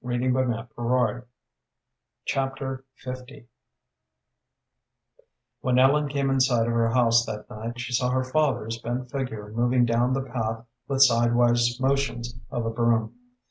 Chapter L When Ellen came in sight of her house that night she saw her father's bent figure moving down the path with sidewise motions of a broom.